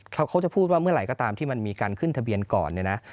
เขาจะพูดว่าเมื่อไหร่ก็ตามที่มันมีการขึ้นทะเบียนก่อนเนี่ยนะ